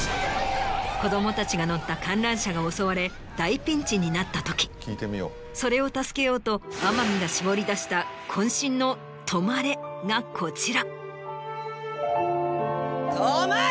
子供たちが乗った観覧車が襲われ大ピンチになったときそれを助けようと天海が絞り出した渾身の「止まれ」がこちら。